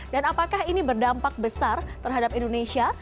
dan apakah ini berdampak besar terhadap indonesia